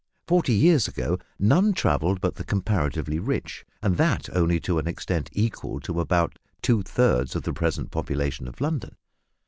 Forty years ago none travelled but the comparatively rich, and that only to an extent equal to about two thirds of the present population of London.